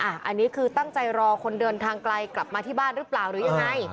อันนี้คือตั้งใจรอคนเดินทางไกลกลับมาที่บ้านหรือเปล่าหรือยังไง